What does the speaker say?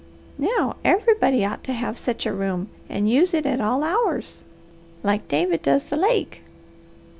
Now everybody ought to have sech a room and use it at all hours, like David does the lake.